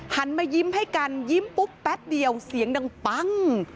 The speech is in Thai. หันมายิ้มให้กันยิ้มปุ๊บแป๊บเดียวเสียงดังปั้ง